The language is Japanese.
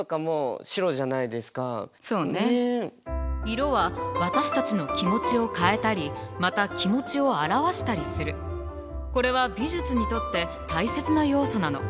色は私たちの気持ちを変えたりまた気持ちを表したりするこれは美術にとって大切な要素なの。